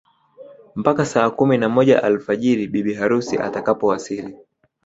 Mpaka saa kumi na moja alfajiri bibi harusi atakapowasili